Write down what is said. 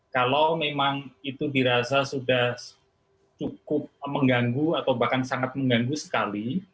kalau memang itu dirasa sudah cukup mengganggu atau bahkan sangat mengganggu sekali